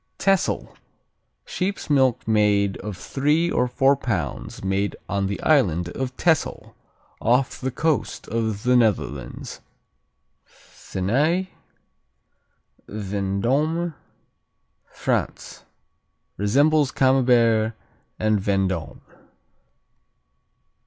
Texel Sheep's milk cheese of three or four pounds made on the island of Texel, off the coast of the Netherlands. Thenay Vendôme, France Resembles Camembert and Vendôme.